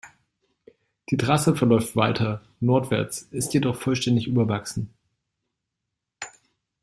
Die Trasse verläuft weiter nordwärts, ist jedoch vollständig überwachsen.